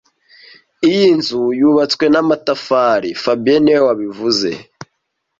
Iyo nzu yubatswe n'amatafari fabien niwe wabivuze